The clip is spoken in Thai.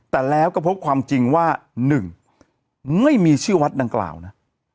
แต่แล้วก็พบความจริงว่า๑ไม่มีชื่อวัดดังกล่าวนะ